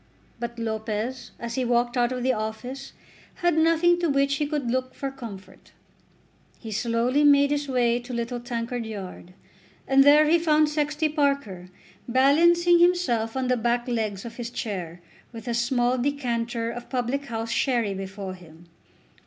But Lopez as he walked out of the office had nothing to which he could look for comfort. He slowly made his way to Little Tankard Yard, and there he found Sexty Parker balancing himself on the back legs of his chair, with a small decanter of public house sherry before him.